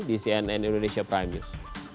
di cnn indonesia prime news